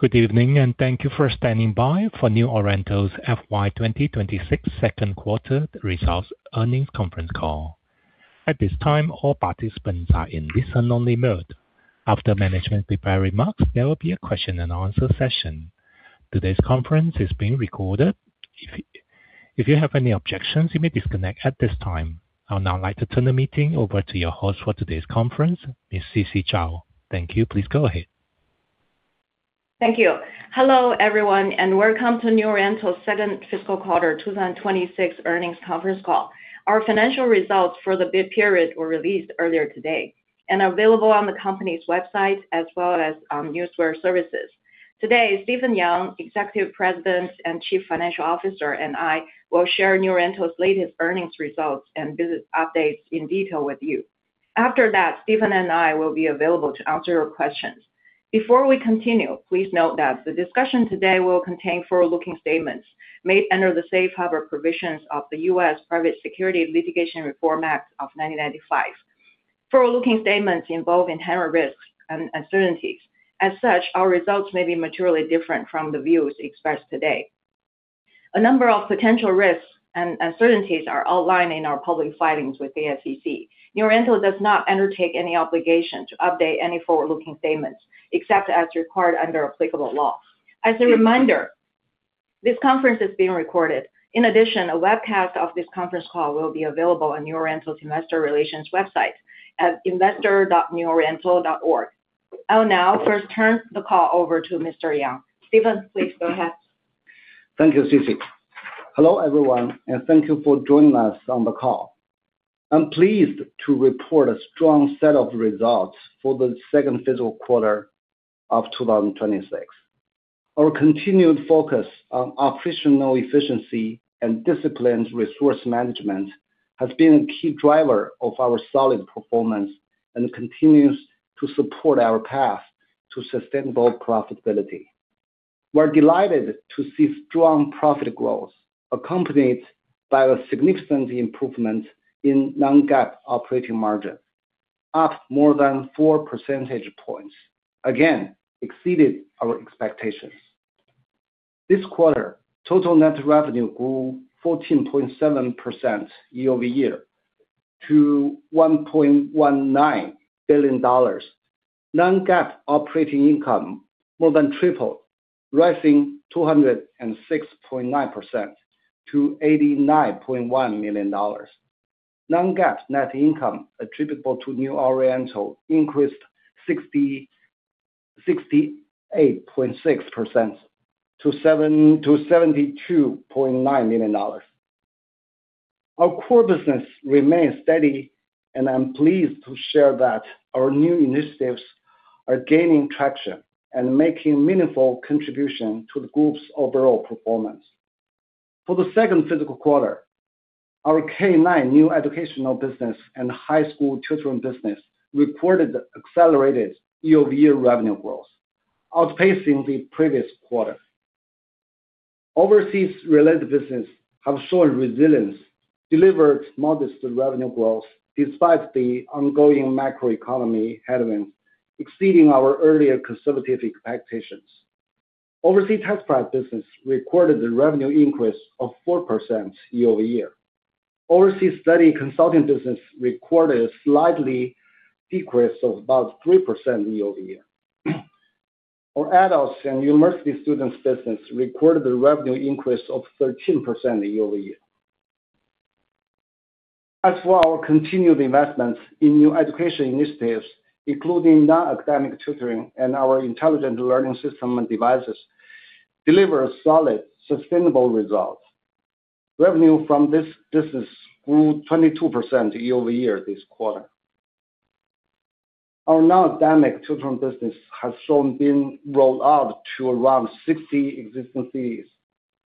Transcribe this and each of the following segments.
Good evening, and thank you for standing by for New Oriental's FY 2026 second quarter results earnings conference call. At this time, all participants are in listen-only mode. After management prepared remarks, there will be a question and answer session. Today's conference is being recorded. If you have any objections, you may disconnect at this time. I would now like to turn the meeting over to your host for today's conference, Ms. Sisi Zhao. Thank you. Please go ahead. Thank you. Hello, everyone, and welcome to New Oriental's second fiscal quarter 2026 earnings conference call. Our financial results for the reporting period were released earlier today and are available on the company's website as well as Newswire Services. Today, Stephen Yang, Executive President and Chief Financial Officer, and I will share New Oriental's latest earnings results and business updates in detail with you. After that, Stephen and I will be available to answer your questions. Before we continue, please note that the discussion today will contain forward-looking statements made under the safe harbor provisions of the U.S. Private Securities Litigation Reform Act of 1995. Forward-looking statements involve inherent risks and uncertainties. As such, our results may be materially different from the views expressed today. A number of potential risks and uncertainties are outlined in our public filings with the SEC. New Oriental does not undertake any obligation to update any forward-looking statements, except as required under applicable law. As a reminder, this conference is being recorded. In addition, a webcast of this conference call will be available on New Oriental's Investor Relations website at investor.neworiental.org. I'll now first turn the call over to Mr. Yang. Stephen, please go ahead. Thank you, Sisi. Hello, everyone, and thank you for joining us on the call. I'm pleased to report a strong set of results for the second fiscal quarter of 2026. Our continued focus on operational efficiency and disciplined resource management has been a key driver of our solid performance and continues to support our path to sustainable profitability. We're delighted to see strong profit growth, accompanied by a significant improvement in non-GAAP operating margin, up more than 4 percentage points, again, exceeded our expectations. This quarter, total net revenue grew 14.7% year-over-year to $1.19 billion. Non-GAAP operating income more than tripled, rising 206.9% to $89.1 million. Non-GAAP net income attributable to New Oriental increased 68.6% to $72.9 million. Our core business remains steady, and I'm pleased to share that our new initiatives are gaining traction and making meaningful contribution to the group's overall performance. For the second fiscal quarter, our K-9 new educational business and high school tutoring business recorded accelerated year-over-year revenue growth, outpacing the previous quarter. Overseas-related business have shown resilience, delivered modest revenue growth despite the ongoing macroeconomy headwinds, exceeding our earlier conservative expectations. Overseas test prep business recorded a revenue increase of 4% year-over-year. Overseas study consulting business recorded a slightly decrease of about 3% year-over-year. Our adults and university students business recorded a revenue increase of 13% year-over-year. As for our continued investments in new education initiatives, including non-academic tutoring and our intelligent learning system and devices, deliver solid, sustainable results. Revenue from this business grew 22% year-over-year this quarter. Our non-academic tutoring business has been rolled out to around 60 existing cities.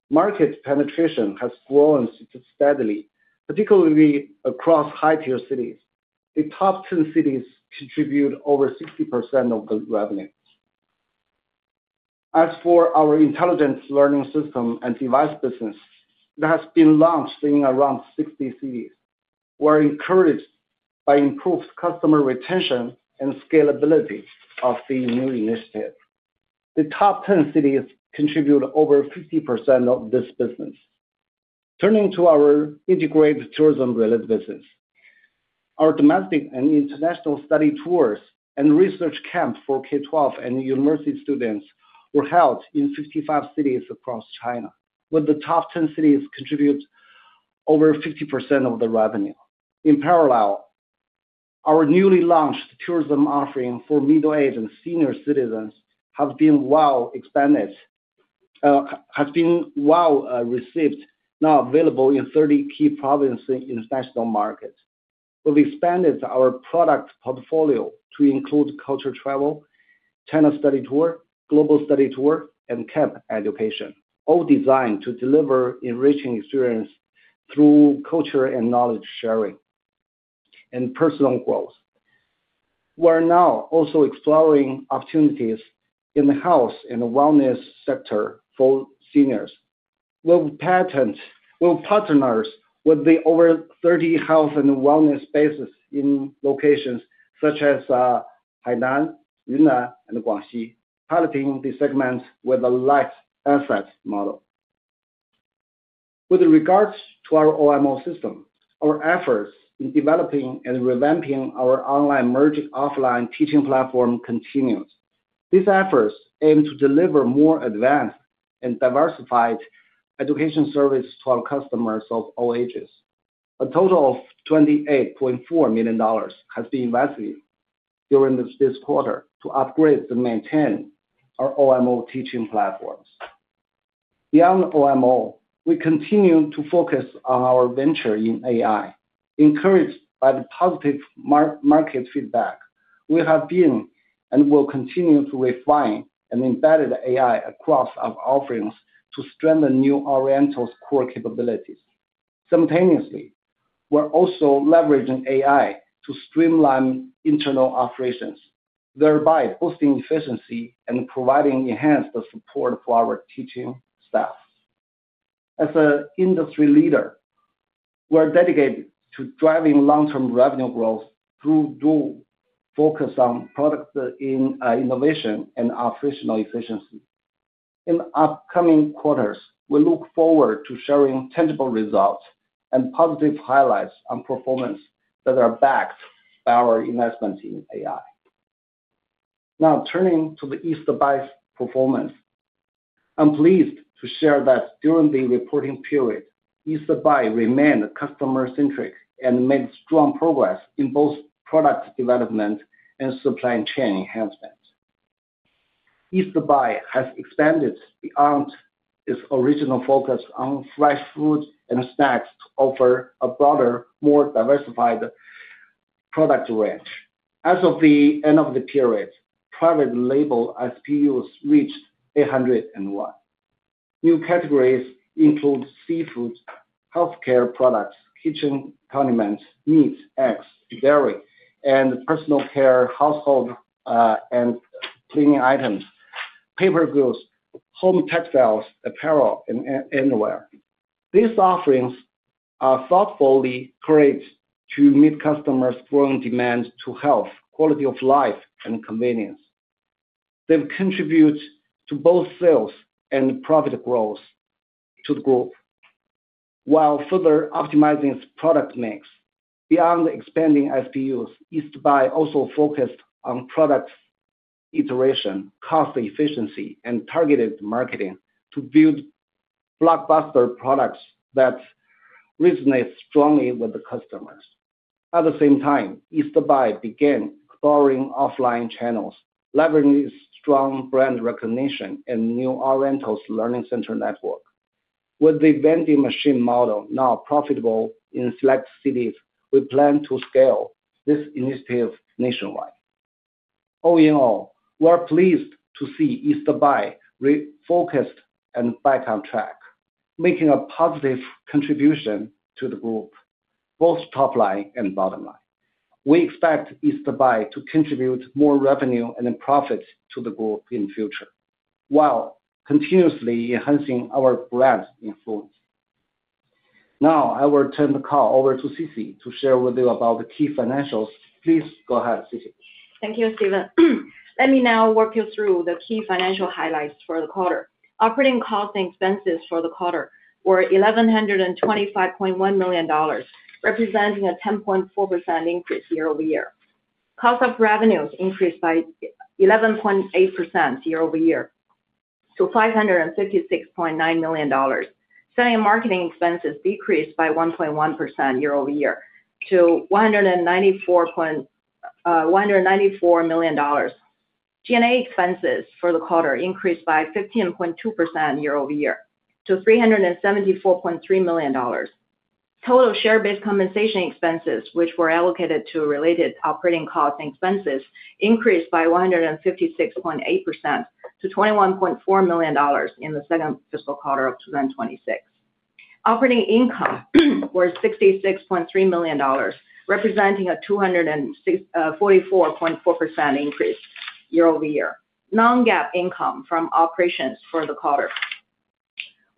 Market penetration has grown steadily, particularly across high-tier cities. The top 10 cities contribute over 60% of the revenue. As for our intelligent learning system and device business, it has been launched in around 60 cities. We're encouraged by improved customer retention and scalability of the new initiative. The top 10 cities contribute over 50% of this business. Turning to our integrated tourism-related business. Our domestic and international study tours and research camp for K-12 and university students were held in 55 cities across China, with the top 10 cities contribute over 50% of the revenue. In parallel, our newly launched tourism offering for middle-aged and senior citizens have been well received, now available in 30 key provinces in international markets. We've expanded our product portfolio to include Culture Travel, China Study Tour, Global Study Tour, and Camp Education, all designed to deliver enriching experience through culture and knowledge sharing and personal growth. We are now also exploring opportunities in the health and wellness sector for seniors. We will partner with over thirty health and wellness spaces in locations such as Hainan, Yunnan, and Guangxi, piloting the segment with a light asset model. With regards to our OMO system, our efforts in developing and revamping our online merge offline teaching platform continues. These efforts aim to deliver more advanced and diversified education service to our customers of all ages. A total of $28.4 million has been invested during this quarter to upgrade and maintain our OMO teaching platforms. Beyond OMO, we continue to focus on our venture in AI. Encouraged by the positive market feedback, we have been and will continue to refine and embed AI across our offerings to strengthen New Oriental's core capabilities. Simultaneously, we're also leveraging AI to streamline internal operations, thereby boosting efficiency and providing enhanced support for our teaching staff. As a industry leader, we're dedicated to driving long-term revenue growth through dual focus on product innovation and operational efficiency. In upcoming quarters, we look forward to sharing tangible results and positive highlights on performance that are backed by our investment in AI. Now, turning to the East Buy's performance. I'm pleased to share that during the reporting period, East Buy remained customer-centric and made strong progress in both product development and supply chain enhancements. East Buy has expanded beyond its original focus on fresh foods and snacks to offer a broader, more diversified product range. As of the end of the period, private label SKUs reached 801. New categories include seafood, healthcare products, kitchen condiments, meats, eggs, dairy, and personal care, household, and cleaning items, paper goods, home textiles, apparel, and underwear. These offerings are thoughtfully curated to meet customers' growing demand to health, quality of life, and convenience. They've contributed to both sales and profit growth to the group, while further optimizing its product mix. Beyond expanding SKUs, East Buy also focused on product iteration, cost efficiency, and targeted marketing to build blockbuster products that resonate strongly with the customers. At the same time, East Buy began exploring offline channels, leveraging its strong brand recognition and New Oriental's learning center network. With the vending machine model now profitable in select cities, we plan to scale this initiative nationwide. All in all, we are pleased to see East Buy refocused and back on track, making a positive contribution to the group, both top line and bottom line. We expect East Buy to contribute more revenue and profits to the group in future, while continuously enhancing our brand influence. Now, I will turn the call over to Sisi to share with you about the key financials. Please go ahead, Sisi. Thank you, Stephen. Let me now walk you through the key financial highlights for the quarter. Operating costs and expenses for the quarter were $1,125.1 million, representing a 10.4% increase year-over-year. Cost of revenues increased by 11.8% year-over-year to $556.9 million. Selling and marketing expenses decreased by 1.1% year-over-year to $194 million. G&A expenses for the quarter increased by 15.2% year-over-year to $374.3 million. Total share-based compensation expenses, which were allocated to related operating costs and expenses, increased by 156.8% to $21.4 million in the second fiscal quarter of 2026. Operating income was $66.3 million, representing a 264.4% increase year-over-year. Non-GAAP income from operations for the quarter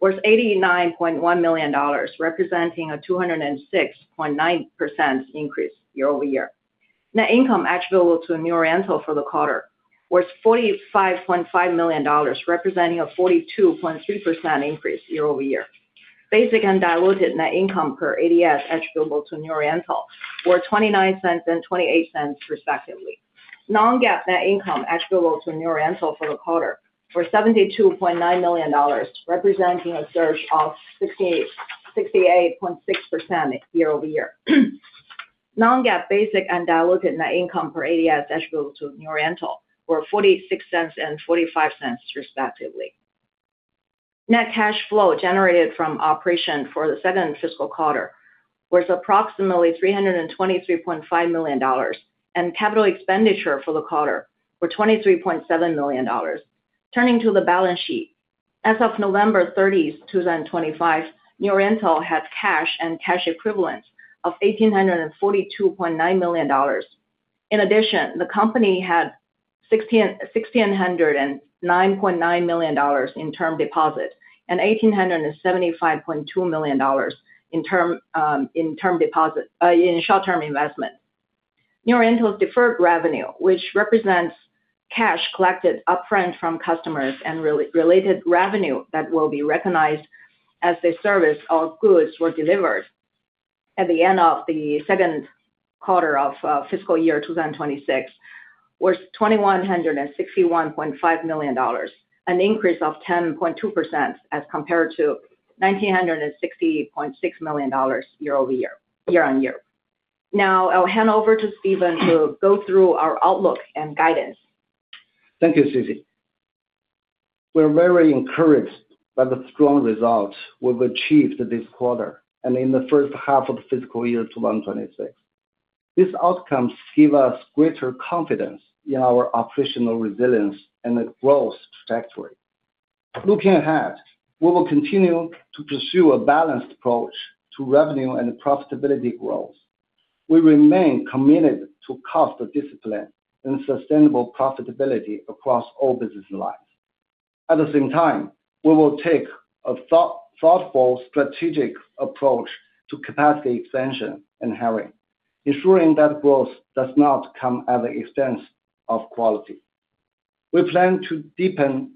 was $89.1 million, representing a 206.9% increase year-over-year. Net income attributable to New Oriental for the quarter was $45.5 million, representing a 42.3% increase year-over-year. Basic and diluted net income per ADS attributable to New Oriental were $0.29 and $0.28, respectively. Non-GAAP net income attributable to New Oriental for the quarter were $72.9 million, representing a surge of 68.6% year-over-year. Non-GAAP basic and diluted net income per ADS attributable to New Oriental were $0.46 and $0.45, respectively. Net cash flow generated from operation for the second fiscal quarter was approximately $323.5 million, and capital expenditure for the quarter were $23.7 million. Turning to the balance sheet. As of November 30, 2025, New Oriental had cash and cash equivalents of $1,842.9 million. In addition, the company had $1,609.9 million in term deposit, and $1,875.2 million in short-term investment. New Oriental's deferred revenue, which represents cash collected upfront from customers and related revenue that will be recognized as the service or goods were delivered at the end of the second quarter of fiscal year 2026, was $2,161.5 million, an increase of 10.2% as compared to $1,960.6 million year-over-year, year- on year. Now, I'll hand over to Stephen to go through our outlook and guidance. Thank you, Sisi. We're very encouraged by the strong results we've achieved this quarter and in the first half of the fiscal year 2026. These outcomes give us greater confidence in our operational resilience and the growth trajectory. Looking ahead, we will continue to pursue a balanced approach to revenue and profitability growth. We remain committed to cost discipline and sustainable profitability across all business lines. At the same time, we will take a thoughtful, strategic approach to capacity expansion and hiring, ensuring that growth does not come at the expense of quality. We plan to deepen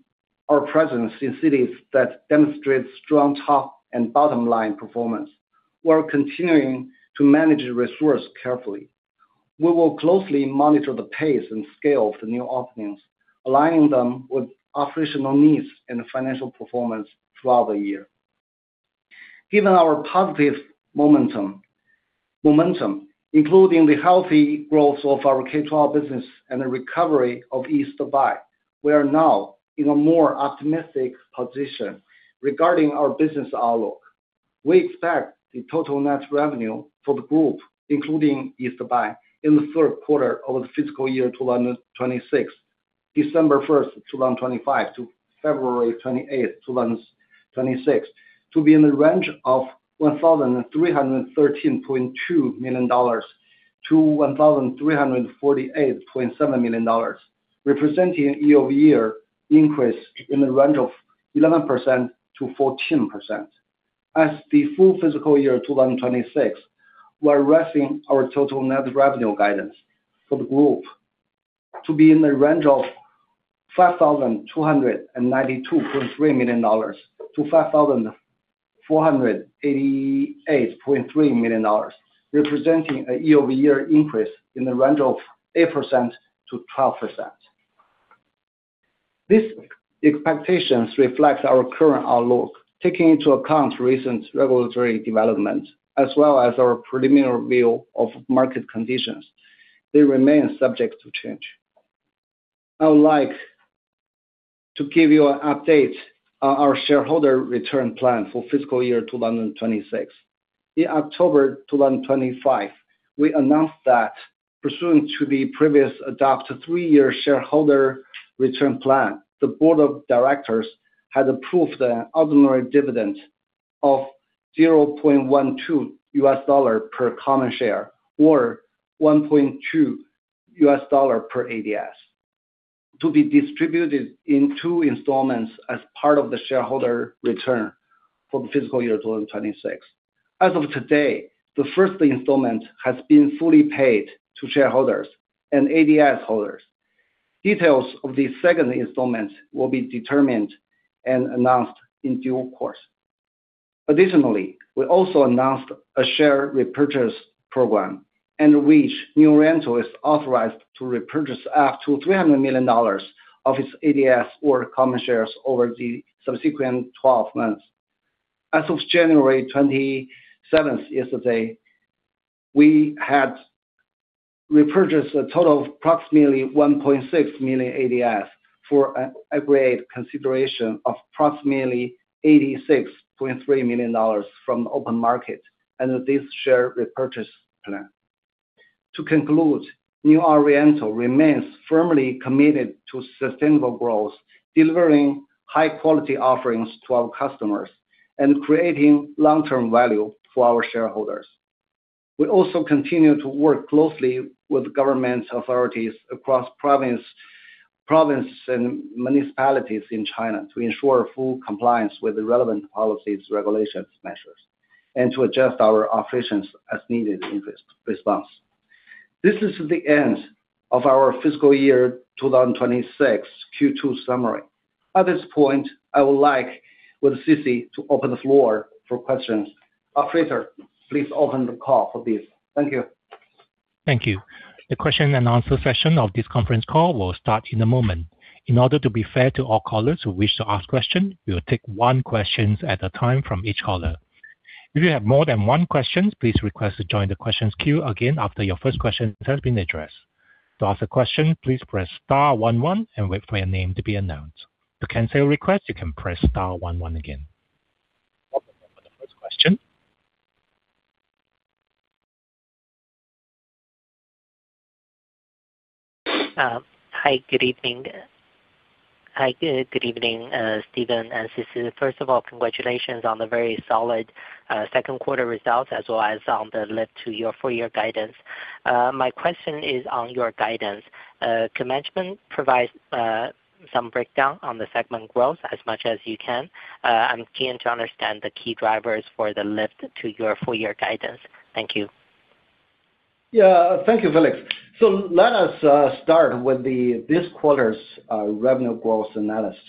our presence in cities that demonstrate strong top and bottom line performance, while continuing to manage the resource carefully. We will closely monitor the pace and scale of the new openings, aligning them with operational needs and financial performance throughout the year. Given our positive momentum, including the healthy growth of our K-12 business and the recovery of East Buy, we are now in a more optimistic position regarding our business outlook. We expect the total net revenue for the group, including East Buy, in the third quarter of the fiscal year 2026, December 1, 2025 to February 28, 2026, to be in the range of $1,313.2 million-$1,348.7 million, representing a year-over-year increase in the range of 11%-14%. As the full fiscal year 2026, we're raising our total net revenue guidance for the group to be in the range of $5,292.3 million-$5,488.3 million, representing a year-over-year increase in the range of 8%-12%. These expectations reflect our current outlook, taking into account recent regulatory developments, as well as our preliminary view of market conditions. They remain subject to change. I would like to give you an update on our shareholder return plan for fiscal year 2026. In October 2025, we announced that pursuant to the previous adopted three-year shareholder return plan, the board of directors had approved an ordinary dividend of $0.12 per common share or $1.2 per ADS, to be distributed in two installments as part of the shareholder return for the fiscal year 2026. As of today, the first installment has been fully paid to shareholders and ADS holders. Details of the second installment will be determined and announced in due course. Additionally, we also announced a share repurchase program under which New Oriental is authorized to repurchase up to $300 million of its ADS or common shares over the subsequent 12 months. As of January 27th, yesterday, we had repurchased a total of approximately 1.6 million ADS for an aggregate consideration of approximately $86.3 million from open market under this share repurchase plan. To conclude, New Oriental remains firmly committed to sustainable growth, delivering high-quality offerings to our customers and creating long-term value for our shareholders. We also continue to work closely with government authorities across province, provinces and municipalities in China to ensure full compliance with the relevant policies, regulations, measures, and to adjust our operations as needed in this response. This is the end of our fiscal year 2026 Q2 summary. At this point, I would like with Sisi to open the floor for questions. Operator, please open the call for this. Thank you. Thank you. The question and answer session of this conference call will start in a moment. In order to be fair to all callers who wish to ask questions, we will take one question at a time from each caller. If you have more than one question, please request to join the question queue again after your first question has been addressed. To ask a question, please press star one one and wait for your name to be announced. To cancel a request, you can press star one one again. Welcome, for the first question. Hi, good evening. Hi, good evening, Stephen and Sisi. First of all, congratulations on the very solid, second quarter results as well as on the lift to your full year guidance. My question is on your guidance. Can management provide some breakdown on the segment growth as much as you can? I'm keen to understand the key drivers for the lift to your full year guidance. Thank you. Yeah. Thank you, Felix. So let us start with this quarter's revenue growth analysis.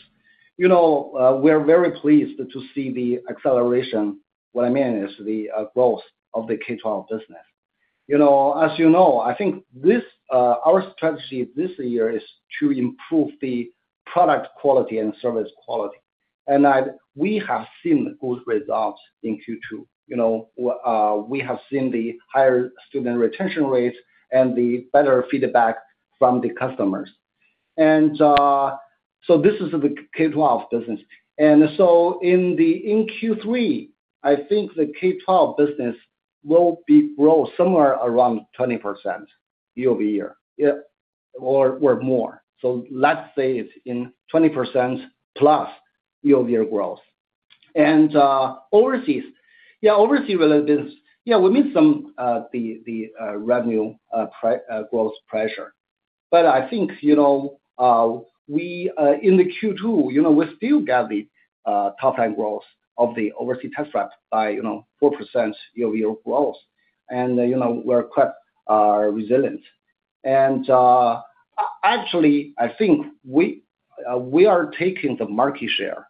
You know, we're very pleased to see the acceleration. What I mean is the growth of the K-12 business. You know, as you know, I think this our strategy this year is to improve the product quality and service quality. And we have seen good results in Q2. You know, we have seen the higher student retention rates and the better feedback from the customers. And so this is the K-12 business. And so in Q3, I think the K-12 business will be grow somewhere around 20% year-over-year. Yeah, or more. So let's say it's in 20%+ year-over-year growth. And overseas. Yeah, overseas related business, yeah, we meet some the revenue prior growth pressure. But I think, you know, we in the Q2, you know, we still got the top line growth of the overseas test prep by, you know, 4% year-over-year growth. And, you know, we're quite resilient. And actually, I think we, we are taking the market share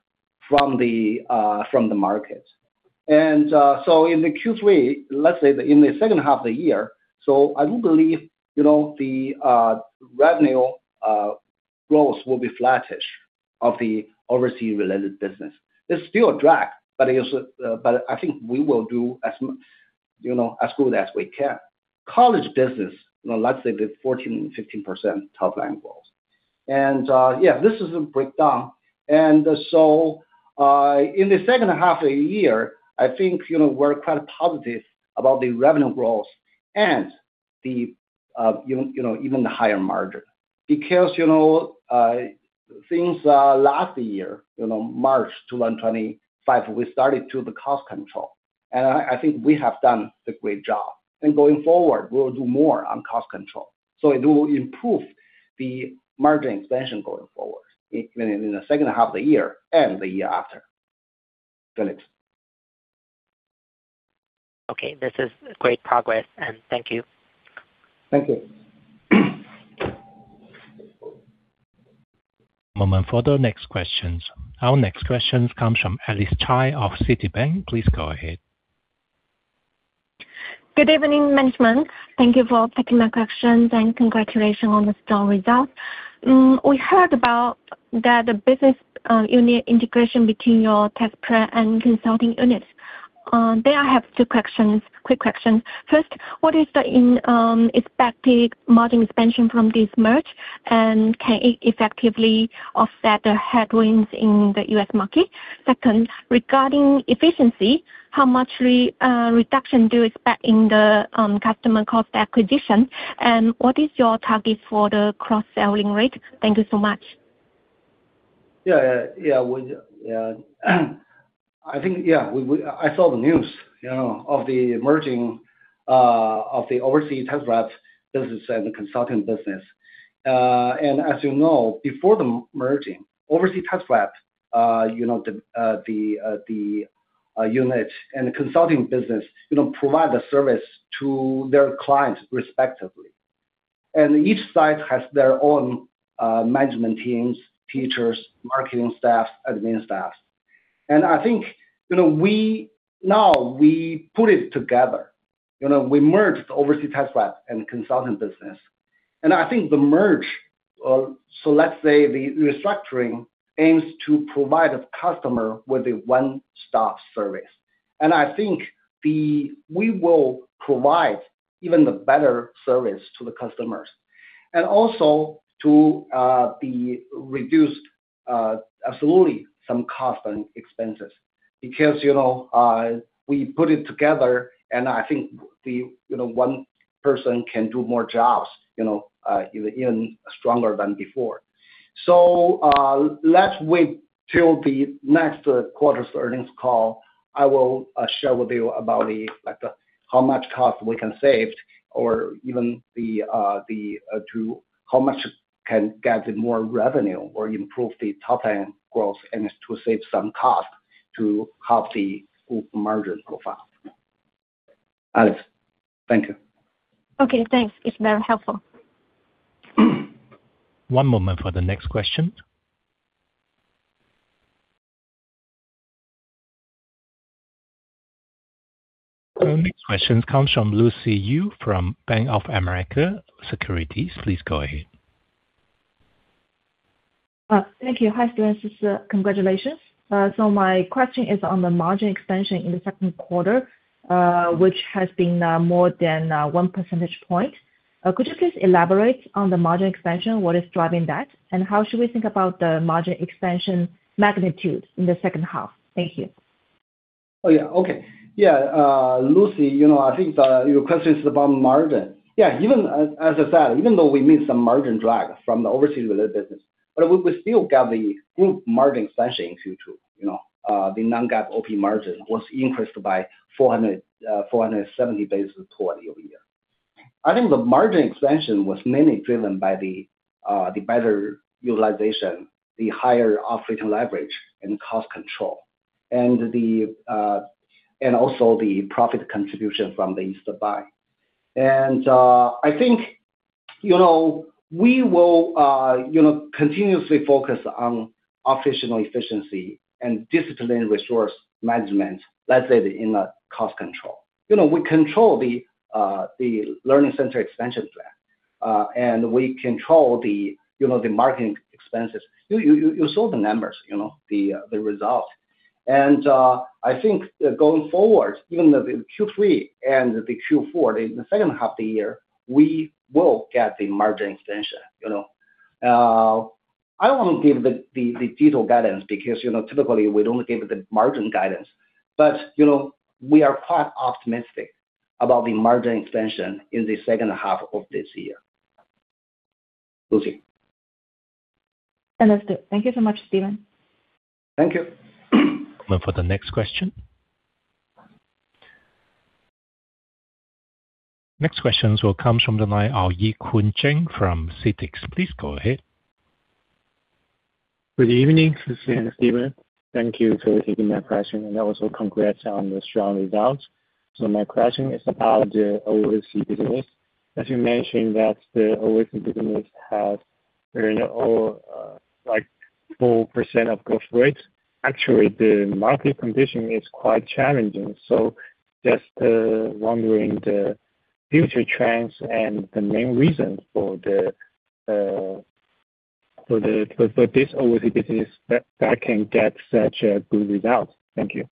from the, from the market. And so in the Q3, let's say in the second half of the year, so I do believe, you know, the revenue growth will be flattish of the overseas related business. It's still a drag, but it is, but I think we will do, you know, as good as we can. College business, you know, let's say the 14, 15% top line growth. And yeah, this is a breakdown. And so, in the second half of the year, I think, you know, we're quite positive about the revenue growth and the, you know, even the higher margin. Because, you know, since last year, you know, March 2025, we started to do the cost control, and I think we have done a great job. And going forward, we will do more on cost control, so it will improve the margin expansion going forward in the second half of the year and the year after. Felix? Okay, this is great progress, and thank you. Thank you.... Moment for the next questions. Our next question comes from Alice Cai of Citibank. Please go ahead. Good evening, management. Thank you for taking my questions, and congratulations on the strong results. We heard about that the business unit integration between your test prep and consulting units. There I have two questions, quick questions. First, what is the expected margin expansion from this merge, and can it effectively offset the headwinds in the U.S. market? Second, regarding efficiency, how much reduction do you expect in the customer cost acquisition? And what is your target for the cross-selling rate? Thank you so much. Yeah, yeah. Yeah, we, I think, yeah, we I saw the news, you know, of the merging of the overseas test prep business and the consulting business. And as you know, before the merging, overseas test prep, you know, the unit and the consulting business, you know, provide the service to their clients respectively. And each side has their own management teams, teachers, marketing staffs, admin staffs. And I think, you know, we now, we put it together. You know, we merged the overseas test prep and consulting business. And I think the merge, so let's say the restructuring aims to provide the customer with a one-stop service. And I think we will provide even the better service to the customers, and also to the reduced absolutely some cost and expenses. Because, you know, we put it together, and I think the, you know, one person can do more jobs, you know, even stronger than before. So, let's wait till the next quarter's earnings call. I will, share with you about the, like, how much cost we can save or even the, the, to how much can get more revenue or improve the top line growth and to save some cost to help the group margin profile. Alice, thank you. Okay, thanks. It's very helpful. One moment for the next question. The next question comes from Lucy Yu from Bank of America Securities. Please go ahead. Thank you. Hi, Stephen and Sisi. Congratulations. So my question is on the margin expansion in the second quarter, which has been more than one percentage point. Could you please elaborate on the margin expansion? What is driving that, and how should we think about the margin expansion magnitude in the second half? Thank you.... Oh, yeah. Okay. Yeah, Lucy, you know, I think, your question is about margin. Yeah, even as, as I said, even though we missed some margin drag from the overseas-related business, but we, we still got the group margin expansion in Q2, you know. The non-GAAP OP margin was increased by 470 basis points year-over-year. I think the margin expansion was mainly driven by the, the better utilization, the higher operating leverage and cost control, and the, and also the profit contribution from the East Buy. And, I think, you know, we will, you know, continuously focus on operational efficiency and disciplined resource management, let's say, in, cost control. You know, we control the, the learning center expansion plan, and we control the, you know, the marketing expenses. You saw the numbers, you know, the results. I think that going forward, even the Q3 and the Q4, in the second half of the year, we will get the margin expansion, you know. I don't want to give the detailed guidance because, you know, typically, we'd only give the margin guidance. But, you know, we are quite optimistic about the margin expansion in the second half of this year. Lucy? Understood. Thank you so much, Stephen. Thank you. For the next question. Next question will come from the line of Yi Kuen Cheng from CITIC. Please go ahead. Good evening, Cici and Stephen. Thank you for taking my question, and also congrats on the strong results. So my question is about the overseas business. As you mentioned, the overseas business has, you know, like 4% growth rate. Actually, the market condition is quite challenging, so just wondering the future trends and the main reasons for this overseas business that can get such a good result. Thank you.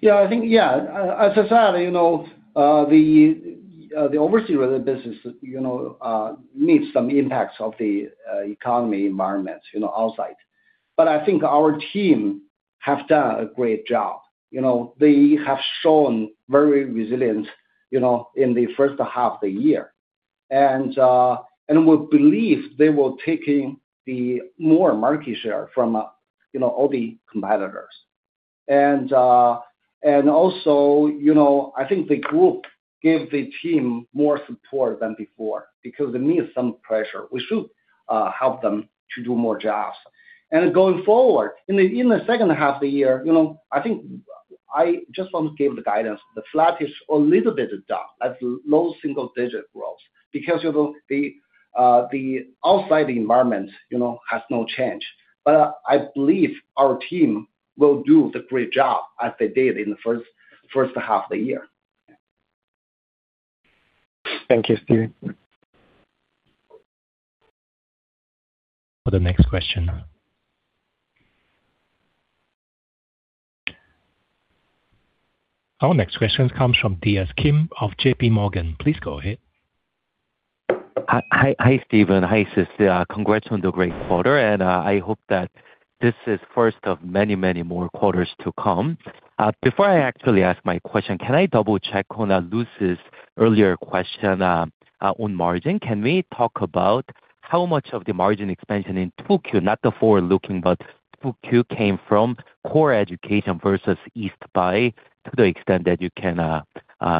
Yeah, I think, yeah, as I said, you know, the overseas-related business, you know, meets some impacts of the economy environments, you know, outside. But I think our team have done a great job. You know, they have shown very resilient, you know, in the first half of the year. And we believe they will taking the more market share from, you know, all the competitors. And also, you know, I think the group gave the team more support than before, because they need some pressure. We should help them to do more jobs. And going forward, in the second half of the year, you know, I think I just want to give the guidance. The flat is a little bit down, at low single digit growth, because, you know, the outside environment, you know, has no change. But I believe our team will do the great job as they did in the first half of the year. Thank you, Stephen. For the next question. Our next question comes from DS Kim of J.P. Morgan. Please go ahead. Hi, hi, hi, Stephen. Hi, Sisi. Congrats on the great quarter, and, I hope that this is first of many, many more quarters to come. Before I actually ask my question, can I double-check on, Lucy's earlier question, on margin? Can we talk about how much of the margin expansion in 2Q, not the forward-looking, but 2Q, came from core education versus East Buy, to the extent that you can,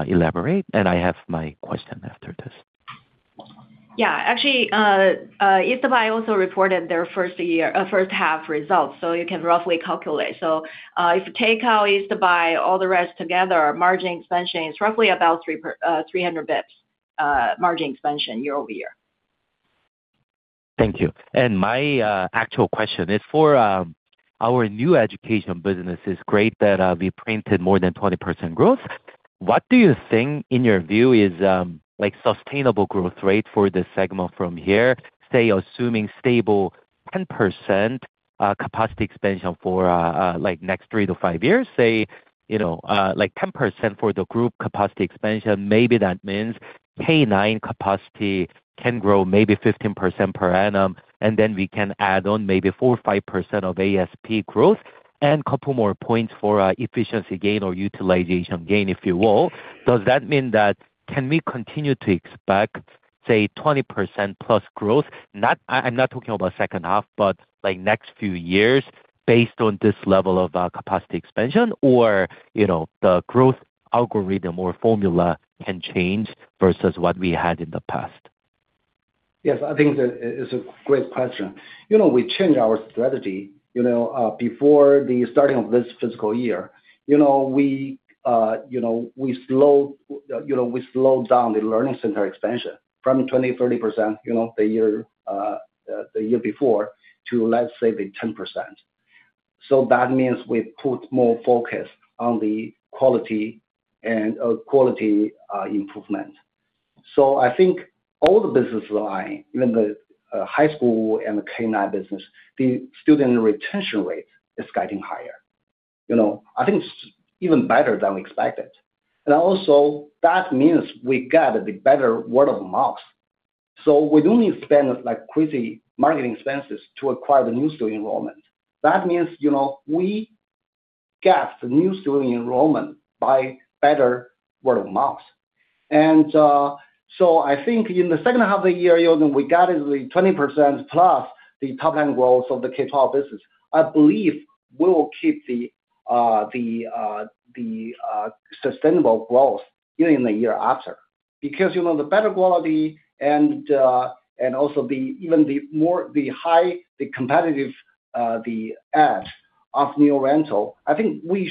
elaborate? I have my question after this. Yeah. Actually, East Buy also reported their first year... first half results, so you can roughly calculate. So, if you take out East Buy, all the rest together, margin expansion is roughly about 300 basis points, margin expansion year-over-year. Thank you. My actual question is for our new education business. It's great that we printed more than 20% growth. What do you think, in your view, is like sustainable growth rate for this segment from here? Say, assuming stable 10% capacity expansion for like next three to five years. Say, you know, like 10% for the group capacity expansion, maybe that means K-9 capacity can grow maybe 15% per annum, and then we can add on maybe 4% or 5% of ASP growth, and couple more points for efficiency gain or utilization gain, if you will. Does that mean that...? Can we continue to expect, say, 20%+ growth? I'm not talking about second half, but, like, next few years, based on this level of capacity expansion, or, you know, the growth algorithm or formula can change versus what we had in the past? Yes, I think that it's a great question. You know, we changed our strategy, you know, before the starting of this fiscal year. You know, we, you know, we slowed, you know, we slowed down the learning center expansion from 20%-30%, you know, the year, the year before, to, let's say, the 10%. So that means we put more focus on the quality and, quality, improvement. So I think all the business line, even the, high school and the K-9 business, the student retention rate is getting higher. You know, I think it's even better than we expected. And also, that means we got the better word of mouth. So we don't need to spend, like, crazy marketing expenses to acquire the new student enrollment. That means, you know, we get the new student enrollment by better word of mouth. So I think in the second half of the year, Yunnan, we got the 20% plus the top-line growth of the K12 business. I believe we will keep the sustainable growth even in the year after. Because, you know, the better quality and also the even the more the high, the competitive the edge of New Oriental, I think we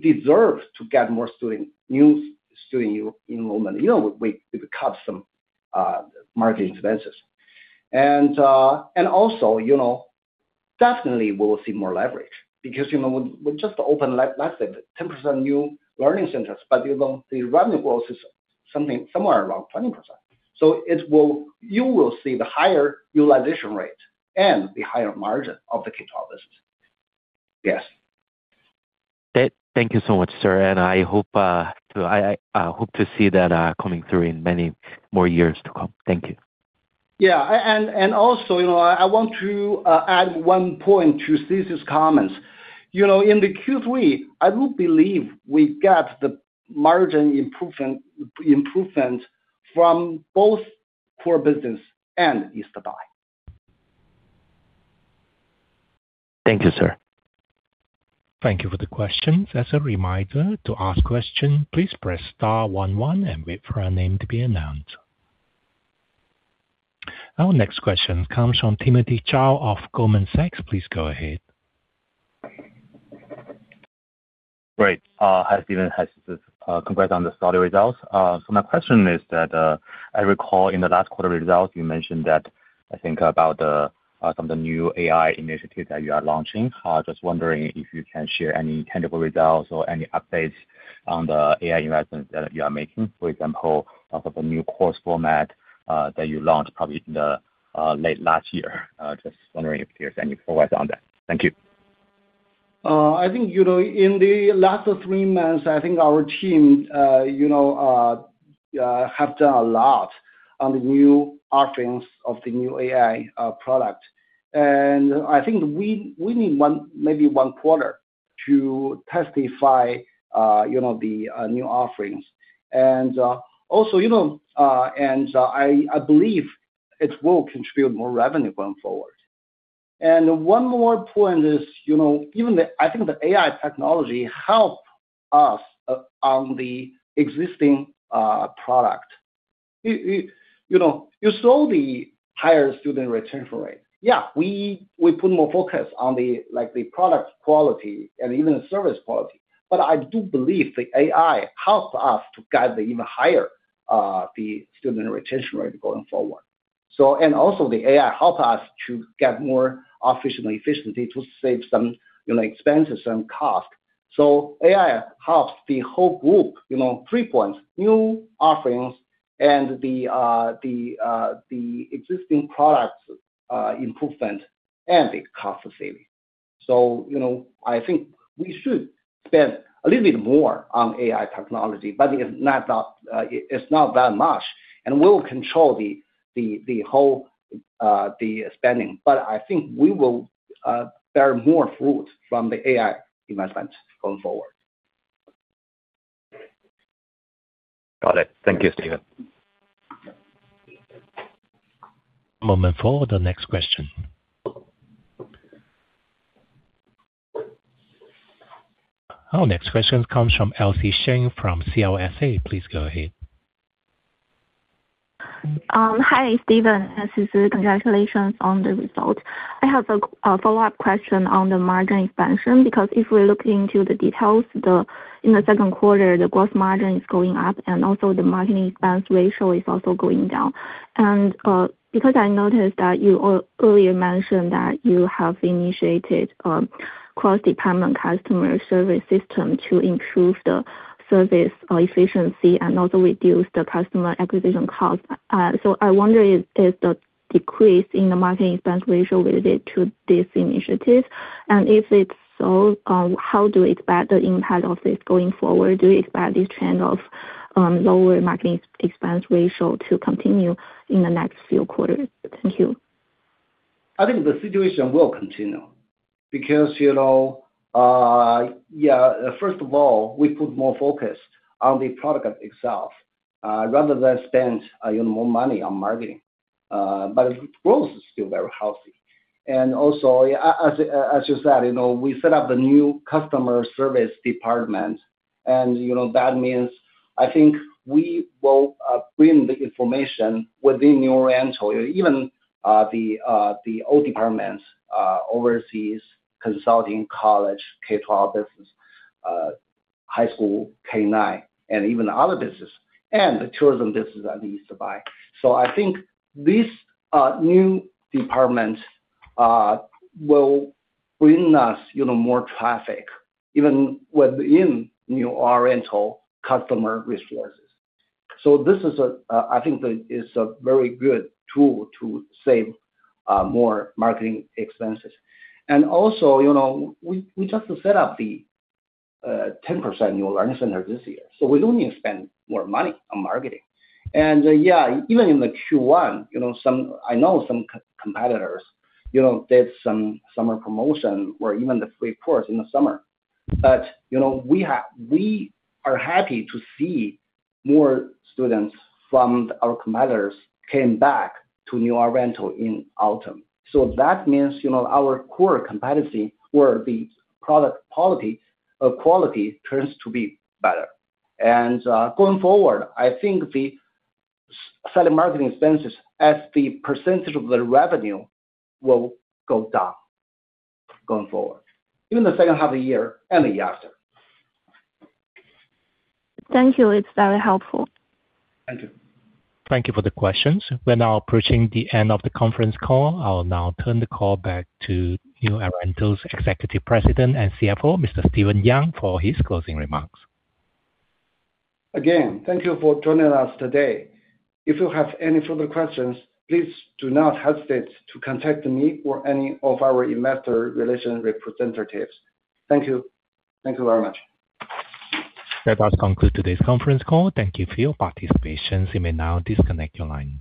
deserve to get more student, new student enrollment, even we cut some marketing expenses. And also, you know, definitely we'll see more leverage because, you know, we just opened, like last week, 10% new learning centers, but, you know, the revenue growth is something somewhere around 20%. So it will. You will see the higher utilization rate and the higher margin of the K12 business. Yes. Thank you so much, sir, and I hope to see that coming through in many more years to come. Thank you. Yeah. And also, you know, I want to add one point to Cici's comments. You know, in the Q3, I do believe we get the margin improvement from both core business and East Buy. Thank you, sir. Thank you for the question. As a reminder, to ask question, please press star one one and wait for your name to be announced. Our next question comes from Timothy Zhao of Goldman Sachs. Please go ahead. Great. Hi, Stephen. Hi, Cici. Congrats on the solid results. So my question is that, I recall in the last quarter results, you mentioned that, I think, about the, some of the new AI initiatives that you are launching. Just wondering if you can share any tangible results or any updates on the AI investments that you are making. For example, some of the new course format, that you launched probably in the, late last year. Just wondering if there's any progress on that. Thank you. I think, you know, in the last three months, I think our team, you know, have done a lot on the new offerings of the new AI product. And I think we need one, maybe one quarter to testify, you know, the new offerings. And also, you know, and I believe it will contribute more revenue going forward. And one more point is, you know, even the, I think the AI technology help us on the existing product. You know, you saw the higher student retention rate. Yeah, we put more focus on the, like, the product quality and even service quality, but I do believe the AI helps us to get the even higher the student retention rate going forward. So, and also the AI help us to get more efficient and efficiency to save some, you know, expenses and cost. So AI helps the whole group, you know, three points, new offerings and the existing products, improvement and the cost saving. So, you know, I think we should spend a little bit more on AI technology, but it's not that, it's not that much, and we'll control the whole spending. But I think we will bear more fruit from the AI investment going forward. Got it. Thank you, Stephen. Moment for the next question. Our next question comes from Elsie Sheng from CLSA. Please go ahead. Hi, Stephen. This is congratulations on the results. I have a follow-up question on the margin expansion, because if we're looking into the details, in the second quarter, the gross margin is going up and also the marketing expense ratio is also going down. Because I noticed that you earlier mentioned that you have initiated cross-department customer service system to improve the service efficiency and also reduce the customer acquisition cost. So I wonder, is the decrease in the marketing expense ratio related to this initiative? And if it's so, how do you expect the impact of this going forward? Do you expect this trend of lower marketing expense ratio to continue in the next few quarters? Thank you. I think the situation will continue because, you know, yeah, first of all, we put more focus on the product itself, rather than spend even more money on marketing. But growth is still very healthy. And also, yeah, as you said, you know, we set up a new customer service department, and, you know, that means, I think we will bring the information within New Oriental, even the old departments, overseas consulting, college, K12 business, high school, K9, and even other business, and the tourism business at East Buy. So I think this new department will bring us, you know, more traffic, even within, you know, New Oriental customer resources. So this is a, I think that it's a very good tool to save more marketing expenses. And also, you know, we just set up the 10% new learning center this year, so we don't need to spend more money on marketing. And, yeah, even in the Q1, you know, some competitors did some summer promotion or even the free course in the summer. But, you know, we are happy to see more students from our competitors came back to New Oriental in autumn. So that means, you know, our core competency or the product quality, quality turns to be better. And going forward, I think the selling marketing expenses, as the percentage of the revenue, will go down, going forward. In the second half of the year and the year after. Thank you. It's very helpful. Thank you. Thank you for the questions. We're now approaching the end of the conference call. I'll now turn the call back to New Oriental's Executive President and CFO, Mr. Stephen Yang, for his closing remarks. Again, thank you for joining us today. If you have any further questions, please do not hesitate to contact me or any of our investor relations representatives. Thank you. Thank you very much. That does conclude today's conference call. Thank you for your participation. You may now disconnect your lines.